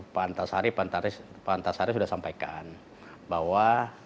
pak antasari sudah sampaikan bahwa